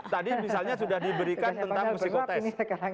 tadi misalnya sudah diberikan tentang psikotest